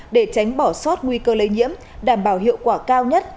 để tránh bỏ sót nguy cơ lây nhiễm đảm bảo hiệu quả cao nhất